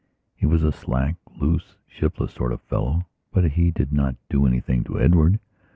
He was a slack, loose, shiftless sort of fellowbut he did not do anything to Edward.